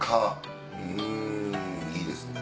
いいですね。